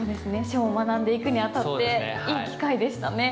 書を学んでいくにあたっていい機会でしたね。